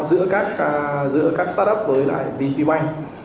giữa các start up với lại vp bank